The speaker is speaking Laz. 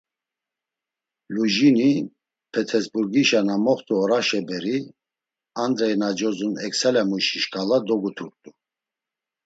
Lujini Petesburgişa na moxt̆u oraşe beri Andrey na cozun eksalemuşi şǩala doguturt̆u.